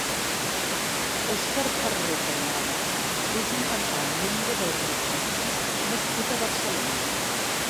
Óscar Ferrer Cañadas és un cantant membre del grup Parchís nascut a Barcelona.